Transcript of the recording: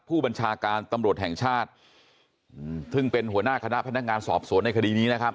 ผู้บัญชาการตำรวจแห่งชาติซึ่งเป็นหัวหน้าคณะพนักงานสอบสวนในคดีนี้นะครับ